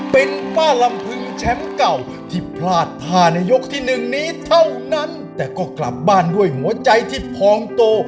เป็นป้าลำพึงแชมป์เก่าที่พลาดผ่านในยกที่หนึ่งนี้เท่านั้นแต่ก็กลับบ้านด้วยหัวใจที่พองโต